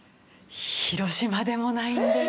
広島でもないんです。